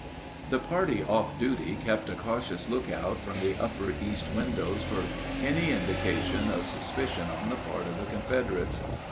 The party off duty kept a cautious lookout from the upper east windows for any indications of suspicion on the part of the Confederates.